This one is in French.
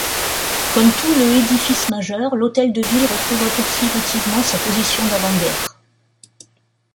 Comme tous le édifices majeurs, l’hôtel de ville retrouve approximativement sa position d’avant-guerre.